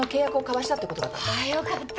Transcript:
ああよかった。